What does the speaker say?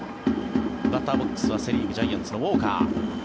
バッターボックスは、セ・リーグジャイアンツのウォーカー。